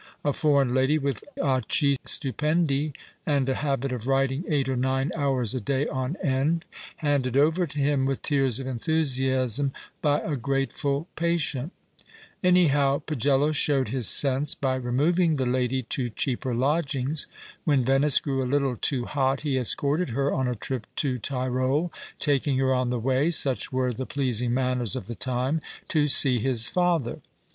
A foreign lady with occhi stupendi (and a habit of writing eight or nine hours a day on end) handed over to him, with tears of enthusiasm, by a grateful patient ! Anyhow, I'agello showed his sense 248 R ^ PASTICHE AND PREJUDICE by removing the lady to cheaper lodgings. When Venice grew a little too hot he escorted her on a trip to Tirol, taking her on the way (such were the pleas ing manners of the time) to see his father